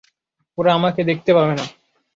ওরা আমাকে দেখতে পাবে না।